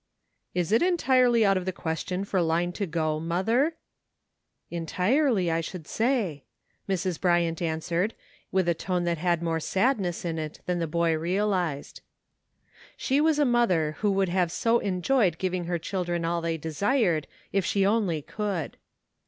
IS it entirely out of the question for Line to go, mother ?" "Entirely, I should say," Mrs. Bryant an swered, with a tone that had more sadness in it than the boy realized. She was a mother who would have so en joyed giving her children all they desired, if she only could.